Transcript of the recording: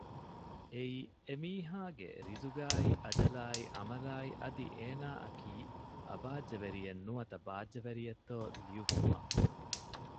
އެއީ އެ މީހާގެ ރިޒުގާއި އަޖަލާއި ޢަމަލާއި އަދި އޭނާއަކީ އަބާއްޖަވެރިއެއް ނުވަތަ ބާއްޖަވެރިއެއްތޯ ލިޔުއްވުމަށް